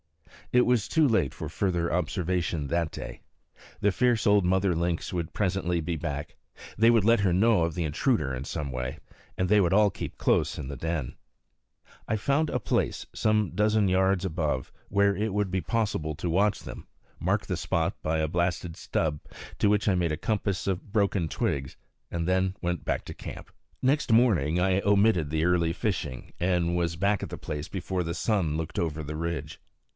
It was too late for further observation that day. The fierce old mother lynx would presently be back; they would let her know of the intruder in some way; and they would all keep close in the den. I found a place, some dozen yards above, where it would be possible to watch them, marked the spot by a blasted stub, to which I made a compass of broken twigs; and then went back to camp. Next morning I omitted the early fishing, and was back at the place before the sun looked over the ridge.